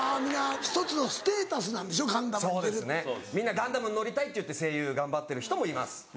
ガンダムに乗りたいっていって声優頑張ってる人もいます。